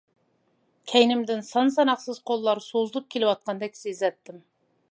كەينىمدىن سان-ساناقسىز قوللار سوزۇلۇپ كېلىۋاتقاندەك سېزەتتىم.